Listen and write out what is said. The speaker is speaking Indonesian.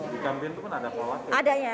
di kambiun itu kan ada kolaknya